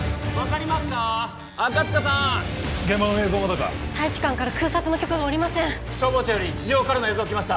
現場の映像まだか大使館から空撮の許可が下りません消防庁より地上からの映像来ました